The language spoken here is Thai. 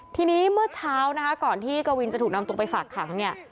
ทีนี้เมื่อเช้าก่อนที่กะวินจะถูกนำตัวไปฝากขัง